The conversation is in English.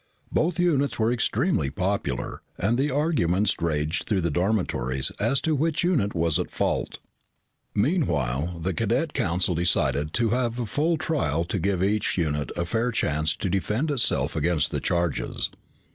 Both units were extremely popular and the arguments raged through the dormitories as to which unit was at fault. Meanwhile, the Cadet Council decided to have a full trial to give each unit a fair chance to defend itself against the charges.